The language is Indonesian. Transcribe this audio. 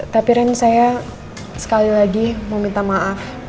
tapi ren saya sekali lagi mau minta maaf